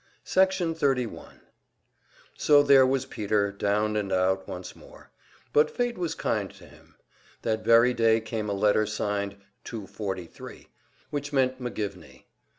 Section 31 So there was Peter, down and out once more. But fate was kind to him. That very day came a letter signed "Two forty three," which meant McGivney.